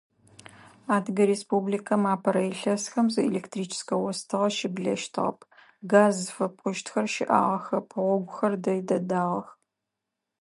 Адыгэ Республикэм апэрэ илъэсхэм зы электрическэ остыгъэ щыблэщтыгъэп, газ зыфэпӏощтхэр щыӏагъэхэп, гъогухэр дэй дэдагъэх.